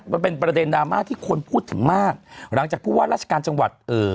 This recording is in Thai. มันเป็นประเด็นดราม่าที่คนพูดถึงมากหลังจากผู้ว่าราชการจังหวัดเอ่อ